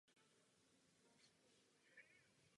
Podle některých představ létaly nahé.